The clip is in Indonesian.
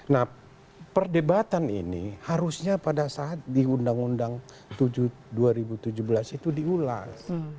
nah perdebatan ini harusnya pada saat di undang undang dua ribu tujuh belas itu diulas